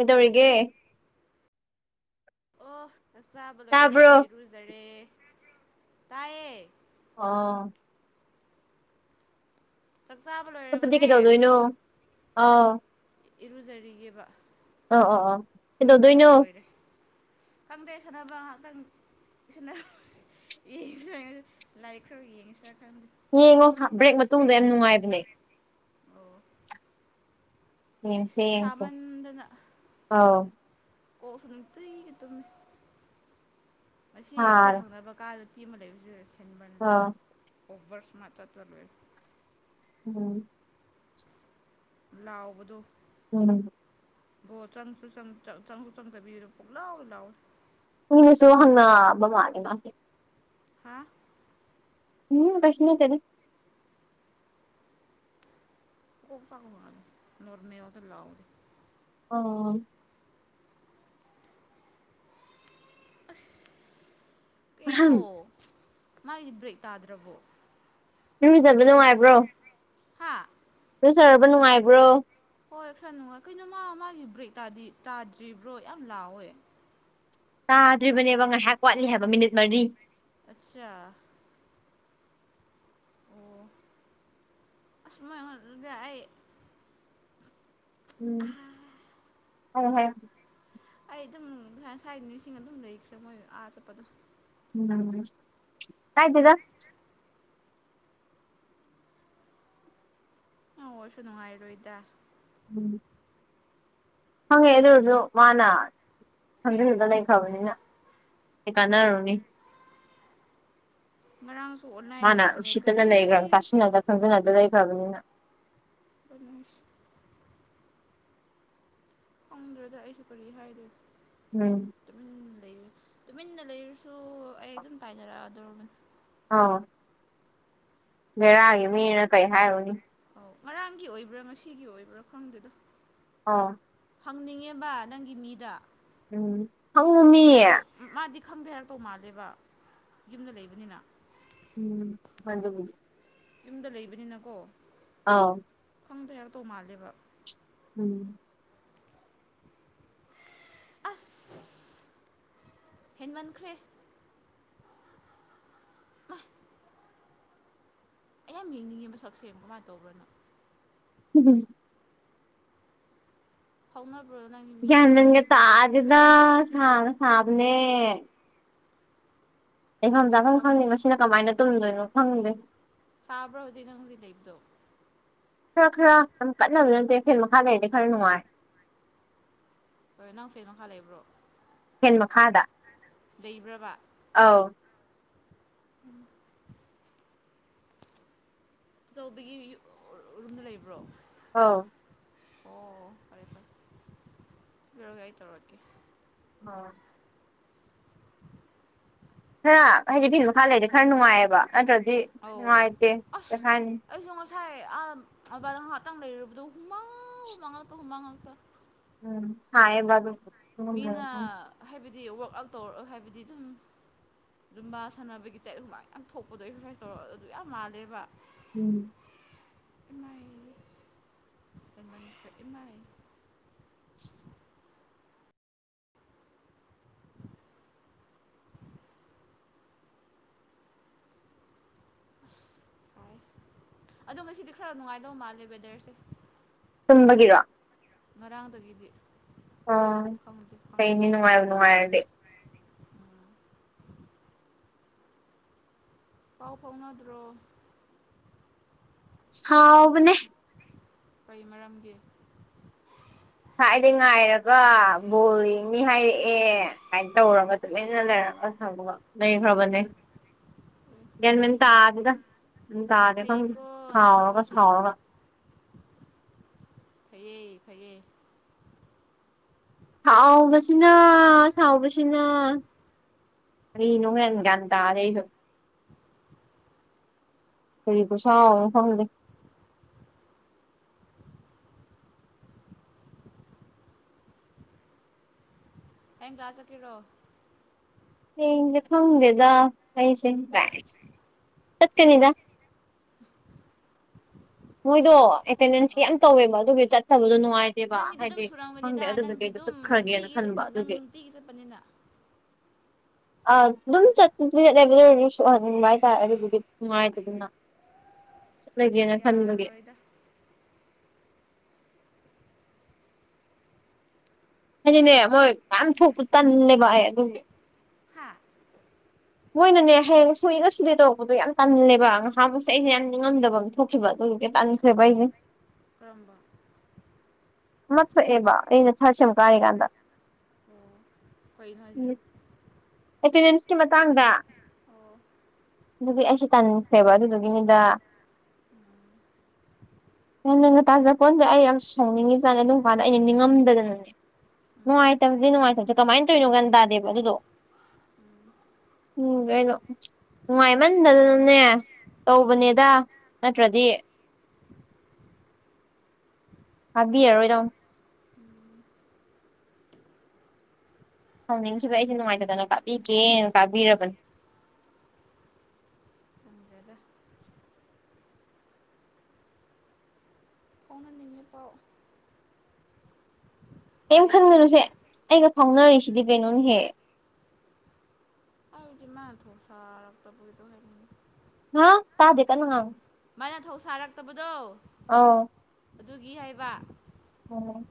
ꯏꯧꯒ ꯑꯣ ꯆꯥꯕ ꯂꯣꯏꯔꯒ ꯇꯥꯕ꯭ꯔꯣ ꯏꯔꯨꯖꯔꯦ ꯇꯥꯏꯌꯦ ꯑꯥ ꯆꯥꯛ ꯆꯥꯕ ꯂꯣꯏꯔꯒꯅꯦ ꯑꯥ ꯏꯔꯨꯖꯔꯤꯑꯕ ꯑꯣ ꯑꯣ ꯑꯣ ꯑꯗꯨꯒ ꯀꯩꯗꯧꯗꯣꯏꯅꯣ ꯂꯣꯏꯔꯦ ꯈꯪꯗꯦ ꯁꯥꯟꯅꯕ ꯉꯥꯏꯍꯥꯛꯇꯪ ꯌꯦꯡ ꯂꯥꯏꯔꯤꯛ ꯈꯔꯣ ꯌꯦꯡꯁꯤꯔ ꯈ ꯌꯦꯡꯉꯣ ꯕ꯭ꯔꯦꯛ ꯃꯇꯨꯡꯗ ꯌꯥꯝ ꯅꯨꯡꯉꯥꯏꯕꯅꯦ ꯑꯣ ꯑꯩ ꯌꯦꯁꯦ ꯌꯦꯡꯁꯨ ꯁꯥꯃꯟꯗꯅ ꯑꯥꯎ ꯀꯣꯛ ꯁꯨꯝ ꯅꯨꯡ ꯇꯨꯏ ꯇꯨꯝꯃꯤ ꯃꯁꯤ ꯑꯩꯈꯣꯏ ꯊꯪꯅꯕ ꯀꯥꯟꯗ ꯏꯕ ꯂꯩꯕ ꯁꯨ ꯐꯦꯟ ꯑ ꯑꯣꯐꯚꯔꯁ ꯃꯊ ꯇ ꯂ ꯂꯣꯏꯋ ꯎꯝ ꯂꯑꯣꯕꯗꯨꯣ ꯎꯝ ꯣ ꯆꯪꯁꯨ ꯆ ꯆꯪ ꯆ ꯂꯑꯣ ꯂꯑꯣ ꯃꯤꯅꯁꯨ ꯍꯪꯕ ꯃꯥꯜꯂꯦ ꯃꯥꯁꯦ ꯍꯥ ꯎꯝ ꯀꯁꯅꯠꯇꯔ ꯑꯣ ꯐꯥꯒ ꯃꯥꯗ ꯅꯣꯔꯅꯦ ꯇ ꯂꯥꯑꯣꯗ ꯑ ꯑ ꯀꯩꯅ ꯑꯍꯝ ꯃꯥꯒꯤꯗꯤ ꯕ꯭ꯔꯦꯛ ꯇꯥꯗ꯭ꯔꯕꯣ ꯂꯨꯖꯕ ꯅꯨꯡꯉꯥꯏꯕ꯭ꯔꯣ ꯍꯥꯥ ꯐꯖꯔꯕ ꯅꯨꯡꯉꯥꯏꯕ꯭ꯔꯣ ꯍꯣꯏ ꯐꯔ ꯅꯨꯡꯉꯥꯏ ꯀꯩꯅꯣ ꯃꯥ ꯃꯥꯒꯤ ꯕ꯭ꯔꯦꯛ ꯇꯥꯗ꯭ꯔꯤꯕ꯭ꯔꯣ ꯌꯥꯝ ꯂꯥꯎꯋꯦ ꯇꯥꯗ꯭ꯔꯤꯕꯅꯦꯕ ꯉꯥꯏꯍꯥꯛ ꯋꯥꯠꯂꯤ ꯍꯥꯏꯕ ꯃꯤꯅꯤꯠ ꯃꯔꯤ ꯑꯆꯥ ꯑꯣ ꯑꯁꯃꯥꯏꯗꯌꯦ ꯎꯝ ꯑ ꯍꯣꯏ ꯑꯩ ꯑꯗꯨꯝ ꯉꯥꯏ ꯉ ꯁꯋꯥꯥꯏ ꯃꯤꯁꯤꯡ ꯑꯗꯨꯝ ꯂꯩꯈ꯭ꯔꯦ ꯃꯣꯏ ꯑꯥ ꯆꯠꯄꯗꯣ ꯎꯝ ꯀꯥꯏ ꯇꯒ ꯑ ꯁꯅꯉꯥꯏꯔꯣ ꯏꯗ ꯎꯝ ꯐꯪꯉꯦ ꯑꯗꯨꯔꯁꯨ ꯃꯥꯅ ꯈꯪꯖꯤꯗ ꯂꯩꯈ꯭ꯔꯕꯅꯤꯅ ꯍ ꯀꯥꯟꯅꯔꯣꯅꯤ ꯃꯔꯥꯡ ꯍꯅꯥ ꯎꯁꯤꯛꯇꯗꯗ꯭ꯔ ꯇꯥꯁꯤꯅ ꯅꯗ ꯈꯪꯗ ꯅꯅꯥꯠꯇꯗ ꯄ꯭ꯔꯕꯂꯦꯝ ꯅꯦꯁ ꯐꯪꯗ꯭ꯔꯗ ꯑꯩꯁꯨ ꯀꯔꯤ ꯍꯥꯏꯗꯣꯏꯅ ꯎꯝ ꯇꯨꯃꯤꯟꯅ ꯂꯩꯔꯁꯨ ꯑꯩ ꯑꯗꯨꯝ ꯇꯥꯏꯅꯔꯛꯑꯗꯧ ꯑꯥ ꯚꯦꯔꯥꯒꯤ ꯃꯤꯅ ꯀꯩ ꯍꯥꯏꯔꯨꯅꯤ ꯑꯣ ꯉꯔꯥꯡꯒꯤ ꯑꯣꯏꯕ꯭ꯔꯥ ꯉꯁꯤꯒꯤ ꯑꯣꯏꯕ꯭ꯔꯥ ꯃꯐꯝꯗꯨꯗ ꯑꯧ ꯍꯪꯅꯤꯡꯉꯦꯕ ꯅꯪꯒꯤ ꯃꯤꯗ ꯎꯝ ꯍꯪꯉꯨ ꯃꯤꯌꯦ ꯑꯗꯨꯁꯨ ꯃꯥꯗꯤ ꯈꯪꯗꯦ ꯍꯥꯏꯔ ꯇꯧ ꯃꯥꯜꯂꯦꯕ ꯌꯨꯝꯗ ꯂꯩꯕꯅꯤꯅ ꯎꯝ ꯃꯖ ꯌꯨꯝꯗ ꯂꯩꯕꯅꯤꯅꯀꯣ ꯑꯥ ꯈꯪꯗꯦꯔ ꯇꯧ ꯃꯥꯜꯂꯦꯕ ꯎꯝ ꯑꯁ ꯍꯦꯟꯃꯟꯈ꯭ꯔꯦ ꯑꯩ ꯌꯥꯝ ꯌꯦꯡꯅꯤꯡꯉꯦꯕ ꯁꯛꯁꯦ ꯀꯃꯥꯏꯅ ꯇꯧꯕ꯭ꯔꯅꯣ ꯎꯝ ꯐꯥꯎꯅ ꯌꯥꯃꯒꯦ ꯇꯥꯗꯗ ꯁꯥꯕꯅꯦ ꯂꯩꯐꯝ ꯆꯥꯐꯝ ꯈꯪꯗꯦ ꯁꯥꯔꯝꯃꯅꯤ ꯃꯁꯤꯅ ꯀꯃꯥꯏꯅ ꯇꯨꯝꯗꯣꯏꯅꯣ ꯈꯪꯗꯦ ꯁꯥꯕ꯭ꯔꯣꯖꯤꯅꯗꯤ ꯂꯩ ꯏꯕꯗꯣ ꯈꯔ ꯈꯔ ꯌꯥꯝ ꯀꯠꯅꯕ ꯅꯠꯇꯦ ꯐꯦꯟ ꯃꯈꯥ ꯂꯩꯔꯗꯤ ꯈꯔ ꯅꯨꯡꯉꯥꯏ ꯍꯣꯏ ꯅꯪ ꯐꯦꯟ ꯅ ꯃꯈ ꯃꯈꯥ ꯂꯩꯕ꯭ꯔꯣ ꯍꯦꯟ ꯃꯈꯥꯗ ꯂꯩꯕ꯭ꯔꯕ ꯑꯧ ꯎꯝ ꯑꯆꯧꯕꯒꯤ ꯔꯨꯝꯗ ꯂꯩꯕ꯭ꯔꯣ ꯑꯥ ꯑꯣ ꯐꯔꯦ ꯐꯔꯦ ꯔꯒꯏ ꯇꯧꯔꯀꯦ ꯑꯝ ꯈꯔ ꯍꯥꯏꯗꯤ ꯐꯤꯤꯟ ꯃꯈꯥ ꯂꯩꯔꯗꯤ ꯈꯔ ꯅꯨꯡꯉꯥꯏꯑꯕ ꯅꯠꯇ꯭ꯔꯗꯤ ꯅꯨꯡꯉꯥꯏꯇꯦ ꯀꯩ ꯍꯥꯏꯅꯤ ꯥꯏ ꯑꯕꯍ ꯇꯥꯡ ꯂꯩꯔꯨꯕꯗꯣ ꯍꯨꯃꯥꯎ ꯍꯨꯃꯥꯡꯉꯜꯂꯛꯇꯣ ꯍꯨꯃꯥꯡꯉꯂꯛꯇ ꯎꯝ ꯍꯥ ꯑꯦꯕꯗꯨ ꯃꯤꯅ ꯍꯥꯏꯕꯗꯤ ꯋꯥꯔꯛ ꯑꯥꯎꯠ ꯇꯧꯔꯒ ꯍꯥꯏꯕꯗꯤ ꯑꯗꯨꯝ ꯂꯨꯝꯕꯥ ꯁꯥꯟꯅꯕꯒꯤ ꯇꯦꯠ ꯍꯨꯃꯥꯡ ꯌꯥꯝ ꯊꯣꯛꯄꯗꯣ ꯑꯦꯛꯁꯔꯁꯥꯏꯁ ꯇꯧꯔ ꯑꯗꯨ ꯌꯥꯝ ꯃꯥꯜꯂꯦꯕ ꯎꯝ ꯏꯥꯏ ꯑꯁ ꯏꯥꯏ [unintelligible] ꯁꯥꯏ ꯑꯗꯣ ꯃꯁꯤꯗꯤ ꯈꯔ ꯅꯨꯡꯉꯥꯏꯗꯕ ꯃꯥꯜꯂꯦ ꯋꯦꯗꯔꯁꯦ ꯝꯕꯒꯤꯔꯣ ꯉꯔꯥꯡꯗꯒꯤꯗꯤ ꯑꯣ ꯈꯪꯗꯦ ꯈꯪꯗꯦ ꯈꯪꯗꯦ ꯀꯩꯅꯤꯅꯨꯡꯉꯅꯨꯡꯉꯔꯗꯦ ꯄꯥꯎ ꯐꯥꯎꯅꯗ꯭ꯔꯣ ꯍꯥꯎꯕꯅꯦ ꯀꯩ ꯃꯔꯝꯒꯤ ꯁꯥꯏꯗ ꯉꯥꯏꯔꯒ ꯕꯣꯜꯡꯅꯤ ꯍꯥꯏꯔꯛꯑꯦ ꯁꯃꯥꯏꯅ ꯇꯧꯔꯒ ꯑꯗꯨ ꯂꯥꯏꯅ ꯂꯩꯔꯒ ꯁꯒ ꯂꯩꯈ꯭ꯔꯕꯅꯦ ꯦꯟꯃꯤꯟ ꯇꯥ ꯑꯗꯨꯗ ꯎꯝ ꯇꯥꯗꯦ ꯈꯪꯁꯦ ꯐꯩꯌꯦꯀꯣ ꯅꯪ ꯁꯥꯎꯔꯒ ꯅꯨꯄꯥꯗꯤ ꯁꯥꯎꯔꯒ ꯐꯩꯌꯦ ꯐꯩꯌꯦ ꯁꯥꯎꯕꯁꯤꯅ ꯁꯥꯎꯕꯁꯤꯅ ꯍꯣꯏꯗꯤ ꯑꯅ ꯗ ꯑꯔ ꯐ ꯄꯨꯁ ꯐꯝ ꯑꯦꯡ ꯀ꯭ꯂꯥꯥꯁ ꯀꯔꯣ ꯍꯌꯦꯁꯦ ꯈꯪꯗꯦꯗ ꯑꯩꯁꯦꯁ ꯆꯠ ꯀꯦꯅꯤꯗ ꯃꯣꯏꯗꯣ ꯑꯦꯇꯦꯟꯗꯦꯟꯁꯀꯤ ꯑꯧ ꯌꯥꯝ ꯇꯧꯋꯦꯕ ꯑꯗꯨꯒꯤ ꯆꯠꯕꯗꯣ ꯅꯨꯡꯉꯥꯏꯦ ꯅꯪꯒꯤꯗꯤ ꯑꯗꯨꯝ ꯁꯨꯔꯝꯒꯅꯤꯗ ꯅꯪꯗꯤ ꯑꯗꯨꯝ ꯆꯠꯈ꯭ꯔꯒꯦꯅ ꯅꯨꯡꯇꯤꯒꯤ ꯈꯟꯕ ꯅꯪ ꯑꯗꯨꯒꯤ ꯅꯨꯡꯇꯤꯒꯤ ꯆꯠꯄꯅꯤꯅ [unintelligible] ꯑ ꯑꯗꯨꯝ ꯆꯠꯇ ꯂꯩꯕ ꯂ ꯑꯣꯏꯔꯁꯨ ꯁꯣꯛꯍꯟꯅꯤꯡꯕ ꯍꯥꯏꯇꯥꯔꯦ ꯑꯗꯨꯗꯨꯒꯤ ꯅꯨꯡꯉꯥꯏꯇꯗꯅ ꯆꯂꯒꯦ ꯇꯌꯥꯔ ꯔꯣꯍꯤꯗ ꯍꯥꯏꯗꯤꯅꯦ ꯃꯣꯏ ꯃꯌꯥꯝ ꯊꯣꯛꯄ ꯇꯟꯅꯦꯕ ꯑꯩ ꯑꯗꯨꯒꯤ ꯍꯥꯥ ꯃꯣꯏꯅꯅꯦ ꯍꯌꯦꯡ ꯁꯨꯅ ꯁꯨꯗꯦ ꯇꯧꯔꯛꯄꯗꯣ ꯌꯥꯝ ꯀꯜꯂꯦꯕ ꯉꯥꯏꯍꯥꯕꯨꯁꯦ ꯑꯩꯁꯦ ꯌꯥꯝ ꯅꯤꯡꯉꯝꯗꯕ ꯑꯃ ꯊꯣꯛꯈꯤꯕ ꯑꯗꯣ ꯇꯥꯟꯁꯔ ꯄꯦ ꯀꯔꯨꯝꯝꯕ ꯃꯊ ꯑꯦꯕ ꯏꯩꯅ ꯆꯠꯆꯝ ꯀꯥꯅꯤꯒꯥꯟꯗ ꯍꯣꯏꯅꯖꯤꯦ ꯑꯩ ꯅꯅꯤꯆ ꯃꯥꯡꯗ ꯑꯣ ꯑꯗꯨꯒꯤ ꯑꯩꯁꯨ ꯇꯟꯁꯦꯕ ꯑꯗꯨꯗꯨꯒꯤꯅꯤꯗ ꯎꯝ ꯅ ꯅꯪ ꯉꯇꯥꯖꯀꯣꯟꯁꯦ ꯑꯩ ꯌꯥꯝ ꯁꯪꯅꯤꯡꯉꯤꯕꯖꯥꯠꯅꯦ ꯑꯗꯨꯝ ꯀꯥꯟꯗ ꯑꯩꯅ ꯅꯤꯡꯉꯝꯗꯗꯅꯅꯦ ꯎꯝ ꯅꯨꯡꯉꯥꯏꯇꯕꯁꯦ ꯅꯨꯡꯉꯥꯏꯇꯕꯁꯦ ꯀꯃꯥꯏꯅ ꯇꯧꯔꯤꯅꯣ ꯀꯟ ꯇꯥꯗꯦꯕ ꯑꯗꯨꯗꯣ ꯎꯝ ꯎꯝ ꯀꯩꯅꯣ ꯅꯨꯡꯉꯥꯏꯃꯟꯗꯗꯅꯅꯦ ꯇꯧꯕꯅꯦꯗ ꯅꯠꯇ꯭ꯔꯗꯤ ꯍꯥꯕꯤꯔꯔꯣꯏ ꯏꯗꯝ ꯎꯝ ꯍꯥꯎꯅꯤꯡꯈꯤꯕ ꯑꯩꯁꯦ ꯅꯨꯡꯉꯥꯏꯖꯗꯅ ꯀꯥꯕꯤꯒꯦꯅ ꯀꯥꯕꯤꯔꯕꯅꯦ [unintelligible] ꯑꯗꯨꯗꯗ ꯐꯥꯎꯅꯅꯤꯡꯉꯤ ꯄꯥꯎ ꯀꯩ ꯎꯄꯥꯏ ꯂꯩꯇꯦ ꯈꯟꯒꯅꯨꯁꯦ ꯑꯩꯒ ꯐꯥꯎꯅꯔꯤꯁꯤꯗꯤ ꯕꯩꯅꯣ ꯍꯦꯛ ꯑꯥꯎ ꯖꯤꯃꯥ ꯊꯣꯛꯣꯛꯥ ꯔꯛꯇꯕꯨꯒꯗꯧ ꯍꯥꯏꯔꯅꯤ ꯇꯥꯖꯦ ꯀꯩꯅꯅꯨꯡ ꯉ ꯃꯥꯅ ꯊꯧꯁꯥꯔꯛꯇꯕꯗꯣ ꯑ ꯑꯗꯨꯒꯤ ꯍꯥꯏꯕ ꯑꯣꯝ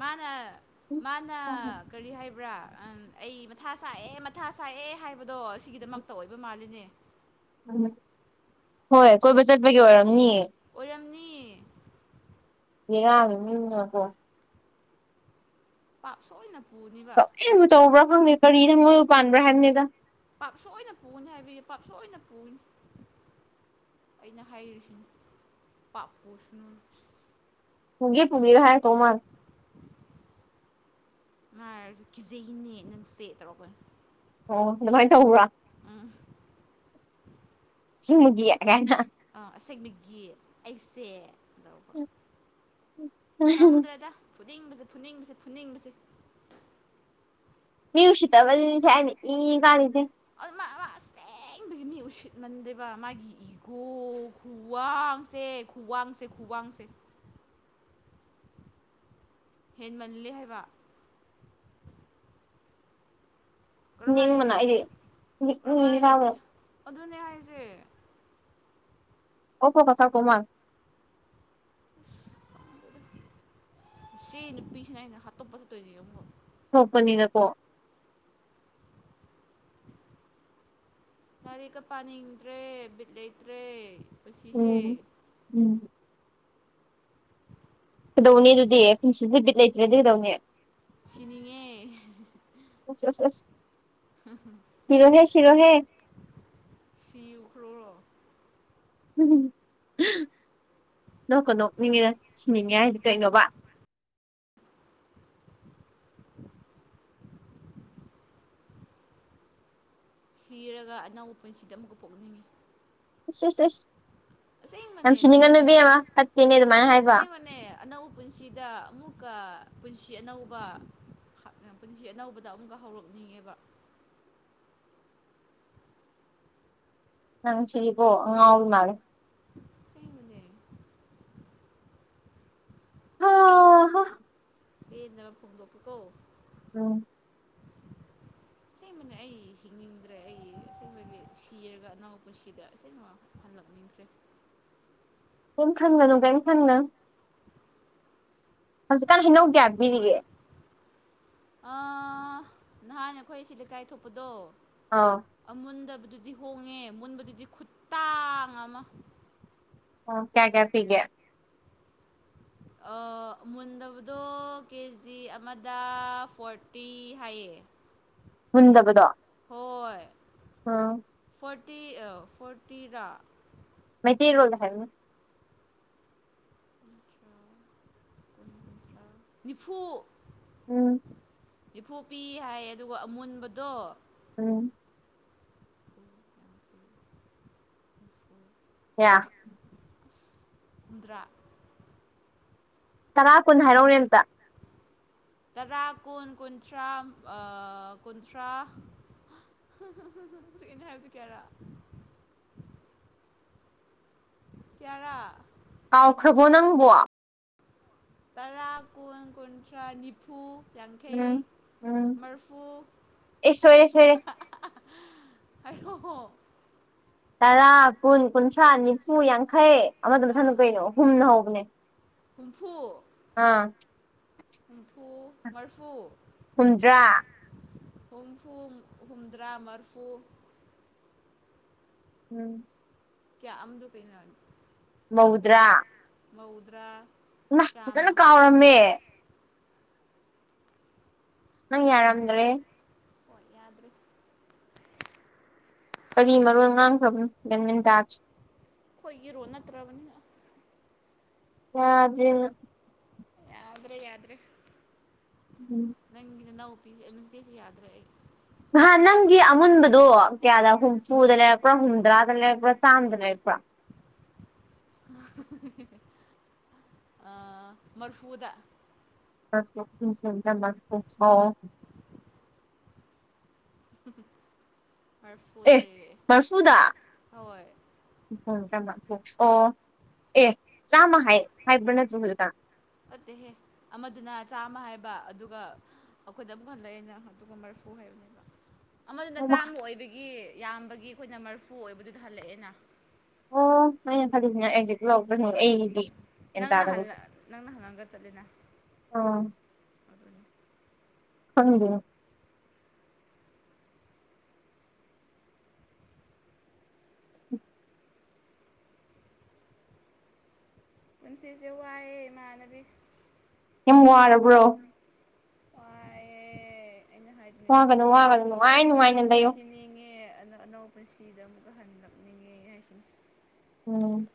ꯃꯥꯅ ꯃꯥꯅ ꯀꯔꯤ ꯍꯥꯏꯕ꯭ꯔꯥ ꯑꯩ ꯃꯊꯥ ꯁꯥꯏꯑꯦ ꯃꯊꯥ ꯁꯥꯏꯑꯦ ꯍꯥꯏꯕꯗꯣ ꯁꯤꯒꯤꯗꯃꯛꯇ ꯑꯣꯏꯕ ꯃꯥꯜꯂꯤꯅꯦ ꯎꯝ ꯍꯣꯏ ꯀꯣꯏꯕ ꯆꯠꯄꯒꯤ ꯑꯣꯏꯔꯝꯅꯤꯌꯦ ꯑꯣꯏꯔꯝꯅꯤ ꯏꯔꯥꯥꯡꯀꯣ ꯄꯥꯞ ꯁꯣꯣꯏꯅ ꯇꯧꯕ꯭ꯔꯥ ꯈꯪꯗꯦ ꯀꯔꯤꯗ ꯃꯣꯏꯕꯨ ꯄꯥꯟꯕ꯭ꯔꯥ ꯍꯥꯏꯕꯅꯤꯗ ꯄꯥꯞ ꯁꯣꯏꯅ ꯄꯨꯅꯤ ꯍꯥꯏꯕꯒꯤ ꯄꯥꯞ ꯁꯣꯏꯅ ꯄꯨꯅꯤ ꯑꯩꯅ ꯍꯥꯏꯔꯤꯁꯤꯅꯤ ꯄꯥꯄꯨꯁꯨꯅꯨ ꯄꯨꯨꯡꯒꯦ ꯄꯨꯒꯔ ꯍꯥꯏꯅ ꯇꯣꯃꯜ ꯃꯥ ꯀꯤꯖꯩꯒꯤꯅꯦ ꯅꯪꯁꯦ ꯇꯧꯔꯛꯈ ꯑꯣ ꯑꯗꯨꯃꯥꯏꯅ ꯇꯧꯕ꯭ꯔꯥ ꯎꯝ ꯁꯤꯃꯨꯒꯌꯥ ꯀ ꯑꯥ ꯑꯁꯦꯡꯕꯤꯒꯤ ꯑꯩꯁꯦ ꯎꯝ ꯎꯝ ꯀꯪꯗ꯭ꯔꯦꯗ ꯐꯨꯅꯤꯡꯕꯁꯦ ꯐꯨꯅꯤꯡꯕꯁꯦ ꯐꯨꯅꯤꯡꯕꯁꯦ ꯃꯤ ꯎ ꯎꯆ ꯇꯕ ꯁꯅꯤ ꯀꯥꯟꯗꯦ ꯑꯣ ꯃꯥꯁꯇꯦ ꯒꯤ ꯃꯤ ꯎꯁꯤꯠꯃꯟꯗꯦꯕ ꯃꯥꯒꯤ ꯏꯒꯣ ꯈꯨꯋꯥꯡꯁꯦ ꯈꯨꯋꯥꯡꯁꯦ ꯈꯨꯋꯥꯡ ꯊꯥꯡꯁꯤ ꯍꯦꯟꯃꯜꯂꯦ ꯍꯥꯏꯕ ꯀꯔꯝꯍꯥꯏꯅ ꯅꯤꯡꯕꯅ ꯑꯩꯗꯤ ꯏ ꯀꯔꯝꯍꯥꯏꯅ ꯅꯨ ꯀꯥꯕꯗ ꯄꯤ ꯑꯗꯨꯅꯦ ꯍꯥꯏꯁꯦ ꯑꯣꯄꯣ ꯀꯁꯥ ꯀꯣꯃꯜ ꯁꯤ ꯅꯨ ꯄꯁꯅꯩꯅ ꯍꯥꯠꯇꯣꯄꯁꯨ ꯇ ꯊꯣꯛꯄꯅꯤꯗꯀꯣ ꯌꯥꯔꯤ ꯀ ꯄꯅꯤꯗ꯭ꯔꯦ ꯕꯤꯠ ꯂꯩꯇ꯭ꯔꯦ ꯄꯨꯟꯁꯤꯁꯦ ꯎꯝ ꯎꯝ ꯀꯩꯗꯧꯅꯤ ꯑꯗꯨꯗꯤ ꯄꯨꯟꯁꯤꯁꯦ ꯕꯣꯠ ꯂꯩꯇ꯭ꯔꯦꯗꯤ ꯀꯩꯗꯧꯅꯤ ꯑꯁ ꯁꯤꯅꯤꯡꯉꯦ꯫ ꯑꯁ ꯑꯁ ꯁꯤꯔꯣꯍꯦ ꯁꯤꯔꯣꯍꯦ ꯁꯤꯈ꯭ꯔꯣ ꯎꯝ ꯅꯣꯛ ꯀ ꯅꯣꯛꯅꯤꯡꯉꯤꯅ ꯁꯤꯅꯤꯡꯉꯦ ꯍꯥꯏꯁꯦ ꯀꯩꯅꯣꯕ ꯁꯤꯔꯒ ꯑꯅꯧꯕ ꯄꯨꯟꯁꯤꯗ ꯑꯃꯨꯛꯀ ꯄꯣꯛꯅꯤꯡꯉꯤ ꯑ ꯑꯁ ꯑꯦꯁ ꯑꯁꯦꯡꯕꯅꯦ ꯐꯥꯒꯤ ꯌꯥꯝꯁꯤꯅꯤꯡꯉꯅꯨ ꯅꯠꯇꯦ ꯏꯕꯦꯃꯥ ꯐꯠꯇꯦꯅꯦ ꯑꯗꯨꯃꯥꯏꯅ ꯍꯥꯏꯕ ꯑꯁꯦꯡꯕꯅꯦ ꯑꯅꯧꯕ ꯄꯨꯟꯁꯤꯗ ꯑꯃꯨꯛꯀ ꯄꯨꯟꯁꯤ ꯑꯅꯧꯕ ꯄꯨꯟꯁꯤ ꯑꯅꯧꯕꯗ ꯑꯃꯨꯛꯀ ꯍꯧꯔꯛꯅꯤꯡꯉꯦꯕ ꯅꯪꯁꯤꯗꯤꯀꯣ ꯑꯉꯥꯎꯕꯤ ꯃꯥꯜꯂꯦ ꯑꯁꯦꯡꯕꯅꯦ ꯍꯥꯍꯥ ꯄꯦꯟꯗꯥꯕꯥ ꯐꯣꯡꯗꯣꯛ ꯄꯥꯀꯣ ꯑꯝ ꯏꯁꯦꯡꯕꯅꯦ ꯑꯩ ꯍꯤꯡꯅꯤꯡꯗ꯭ꯔꯦ ꯑꯩ ꯑꯦꯡꯕꯒꯤ ꯁꯤꯔꯒ ꯑꯅꯥꯎ ꯄꯨꯟꯁꯤꯗ ꯏꯁꯦꯡꯕ ꯍꯜꯂꯛꯅꯤꯡꯈ꯭ꯔꯦ ꯀꯦꯝ ꯈꯟꯒꯅꯣ ꯀꯦꯝ ꯈꯟꯒꯅꯣ ꯍꯧꯖꯤꯛꯀꯥꯟ ꯍꯩꯅꯧ ꯀꯌꯥ ꯄꯤꯔꯤꯌꯦ ꯑ ꯅꯍꯥꯟ ꯑꯩꯈꯣꯏ ꯁꯤ ꯂꯩꯀꯥꯏ ꯊꯣꯛꯄꯗꯣ ꯑꯥ ꯑꯃꯨꯟꯗꯕ ꯑꯗꯨꯗꯤ ꯍꯣꯡꯉꯦ ꯃꯨꯟꯕꯗꯨꯗꯤ ꯈꯨꯇꯥꯡ ꯑꯃ ꯑꯥ ꯀꯌꯥ ꯀꯌꯥ ꯄꯤꯒꯦ ꯗ ꯃꯨꯟꯗꯕꯗꯣ ꯀꯦ ꯖꯤ ꯑꯃꯗ ꯐꯣꯔꯇꯤ ꯍꯥꯏꯌꯦ ꯃꯨꯟꯗꯕꯗꯣ ꯑꯣꯏ ꯑꯥ ꯐꯣꯔꯇꯤ ꯐꯣꯔꯇꯤꯔꯥ ꯃꯩꯇꯩ ꯂꯣꯟꯗ ꯍꯥꯏꯌꯣꯅꯦ ꯅꯤꯐꯨ ꯎꯝ ꯅꯤꯐꯨ ꯄꯤꯌꯦ ꯍꯥꯏꯌꯦ ꯑꯗꯨꯒ ꯑꯃꯨꯟꯕꯗꯣ ꯎꯝ ꯌꯥ ꯍꯨꯝꯗ꯭ꯔꯥ ꯇꯔꯥ ꯀꯨꯟ ꯍꯥꯏꯔꯛꯑꯣꯅꯦ ꯑꯝꯇ ꯇꯔꯥ ꯀꯨꯟ ꯀꯨꯟꯊ꯭ꯔꯥ ꯑꯥ ꯀꯨꯟꯊ꯭ꯔꯥ ꯍꯥꯏꯗꯤ ꯀꯦꯔ [inaudible] ꯇꯔꯥ ꯀꯥꯎꯈ꯭ꯔꯕꯣ ꯅꯪꯕꯣ ꯇꯔꯥ ꯀꯨꯟ ꯀꯨꯟꯊ꯭ꯔꯥ ꯅꯤꯐꯨ ꯎꯝ ꯌꯥꯡꯈꯩ ꯎꯝ ꯃꯔꯐꯨ ꯑꯦ ꯁꯣꯏꯔꯦ ꯁꯣꯏꯔꯦ ꯑꯣ ꯇꯔꯥ ꯀꯨꯟ ꯀꯨꯟꯊ꯭ꯔꯥ ꯅꯤꯐꯨ ꯌꯥꯡꯈꯩ ꯑꯃꯗꯣ ꯃꯊꯪꯗꯣ ꯑꯥ ꯀꯩꯅꯣ ꯍꯨꯝꯅ ꯍꯧꯕꯅꯦ ꯍꯨꯝꯐꯨ ꯑꯥ ꯍꯨꯝꯐꯨ ꯃꯔꯐꯨ ꯍꯨꯝꯗ꯭ꯔꯥ ꯍꯨꯝꯐꯨ ꯍꯨꯝꯗ꯭ꯔꯥ ꯃꯔꯐꯨ ꯎꯝ ꯀꯌꯥ ꯑꯗꯨ ꯀꯩꯅꯅꯤ ꯃꯧꯗ꯭ꯔꯥ ꯃꯧꯗ꯭ꯔꯥ ꯅ ꯆꯥꯝꯃ ꯐꯖꯅ ꯀꯥꯎꯔꯝꯃꯦ ꯅꯪ ꯌꯥꯔꯝꯗ꯭ꯔꯦ ꯍꯣꯏ ꯌꯥꯗ꯭ꯔꯔꯤ ꯀꯔꯤ ꯃꯔꯣꯜ ꯉꯥꯡꯈ꯭ꯔꯕꯅꯣ ꯒꯟꯃꯤꯟꯗꯥꯁ ꯑꯩꯈ‌ꯣꯏꯒꯤ ꯔꯨꯜ ꯅꯠꯇ꯭ꯔꯕꯅꯤꯅ ꯑ ꯑꯗꯨꯗꯅ ꯌꯥꯗ꯭ꯔꯦ ꯌꯥꯗ꯭ꯔꯦ ꯎꯝ ꯅꯪꯅ ꯅ [unintelligible] ꯌꯥꯗ꯭ꯔ‌ꯦ ꯑꯩ ꯅꯍꯟ ꯅꯪꯒꯤ ꯑꯃꯨꯟꯕꯗꯣ ꯀꯌꯥꯗ ꯍꯨꯝꯐꯨꯗ ꯂꯩꯔꯛꯄ꯭ꯔꯥ ꯍꯨꯝꯗ꯭ꯔꯥꯗ ꯂꯩꯔꯛꯄ꯭ꯔꯥ ꯆꯥꯝꯃꯗ ꯂꯩꯔꯄ꯭ꯔꯥ ꯑ ꯃꯔꯐꯨꯗ [unintelligible] [unintelligible] ꯑꯦ ꯂꯩꯔꯛꯑꯦ ꯃꯔꯐꯨꯗ ꯍꯣꯏ ꯑꯣ ꯑꯦ ꯆꯥꯃ ꯍꯥꯏ ꯍꯥꯏꯕ ꯅꯇ꯭ꯔ‌ꯣ ꯍꯧꯖꯤꯛꯇ ꯕ ꯑꯗꯨꯒ ꯑꯩꯈꯣꯏꯗ ꯑꯃꯨꯛ ꯍꯜꯂꯛꯑꯦꯩꯅ ꯑꯗꯨꯒ ꯃꯔꯐꯨ ꯍꯥꯏꯕꯅꯦꯕ ꯑꯃꯗꯨꯅ ꯆꯥꯝꯕ ꯑꯣꯏꯕꯒꯤ ꯌꯥꯝꯕꯒꯤ ꯑꯩꯈꯣꯏꯅ ꯃꯔꯐꯨ ꯑꯣꯏꯕꯗꯨꯗ ꯍꯜꯂꯛꯑꯦꯅ ꯑꯣ ꯑꯩꯅ ꯈꯜꯂꯤꯁꯤꯅ ꯑꯩꯁꯦ ꯂꯧꯕꯅꯨ ꯑꯩꯒꯤꯗꯤ ꯒ꯭ꯌꯥꯟ ꯅꯪꯅ ꯍꯜ ꯇꯥꯗꯕꯒꯤ ꯅꯪꯅ ꯍꯪꯉꯒ ꯆꯠꯂꯤꯦꯅ ꯈꯪꯉꯣ ꯄꯨꯟꯁꯤꯁꯦ ꯋꯥꯏꯑꯦ ꯏꯃꯥꯟꯅꯕꯤ ꯅꯨꯡ ꯋꯥꯔꯕ꯭ꯔꯣ ꯋꯥ ꯑꯩꯅ ꯍꯥꯏꯗꯅ ꯋꯥꯒꯅꯨ ꯁꯤꯅꯤꯡꯉꯦ ꯋꯥꯒꯅꯨ ꯑꯗꯨꯒ ꯅꯨꯡꯉꯥꯏ ꯅꯨꯡꯉꯥꯏꯅ ꯂꯩꯌꯣ ꯁꯤꯅꯤꯡꯉꯦ ꯑꯅꯧꯕ ꯄꯨꯟꯁꯤꯗ ꯑꯃꯨꯛꯀ ꯍꯟꯂꯛꯅꯤꯡꯉꯦ ꯍꯥꯏꯁꯤꯅꯤ ꯎꯝ